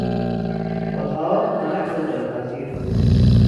اتاق خنک و دلپذیر بود.